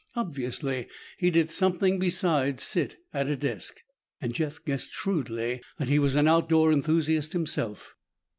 Obviously he did something besides sit at a desk, and Jeff guessed shrewdly that he was an outdoor enthusiast himself.